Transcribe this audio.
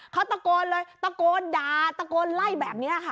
เขาตะโกนเลยตะโกนด่าตะโกนไล่แบบนี้ค่ะ